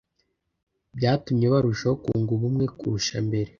byatumye barushaho kunga ubumwe kurusha mbere